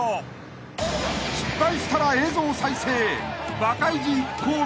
［失敗したら映像再生］